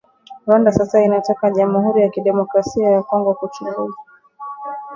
Rwanda sasa inataka jamuhuri ya kidemokrasia ya Kongo kuchunguzwa